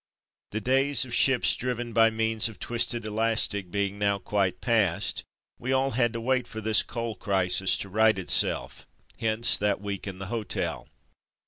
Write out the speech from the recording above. The days of ships driven by means of twisted elastic being now quite past, we all had to wait for this coal crisis to right itself. Hence that week in the hotel.